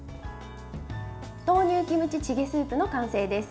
豆乳キムチチゲスープの完成です。